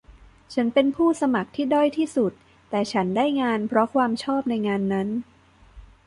ฉันเป็นผู้สมัครที่ด้อยที่สุด แต่ฉันได้งานเพราะความชอบในงานนั้น